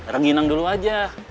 ranginan dulu aja